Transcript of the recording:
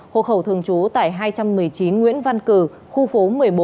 hộ khẩu thường trú tại hai trăm một mươi chín nguyễn văn cử khu phố một mươi bốn